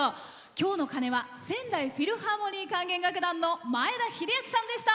今日の鐘は仙台フィルハーモニー管弦楽団の前田秀明さんでした。